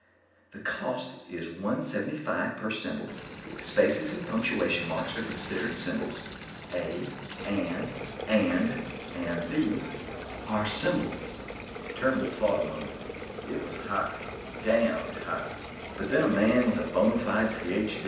"The cost is one seventy five per symbol. Spaces and punctuation marks are considered symbols. A, an, and, and the are symbols." Turnbull thought a moment. It was high damned high. But then a man with a bona fide Ph.